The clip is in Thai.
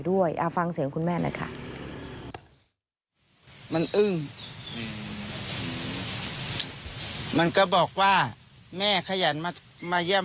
ด้วยอ่าฟังเสียงคุณแม่นะค่ะมันมันก็บอกว่าแม่ขยันมามาเยี่ยม